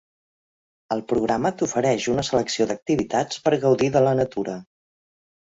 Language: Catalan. El programa t'ofereix una selecció d'activitats per gaudir de la natura.